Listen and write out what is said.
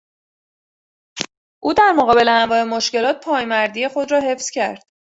او در مقابل انواع مشکلات پایمردی خود را حفظ کرد.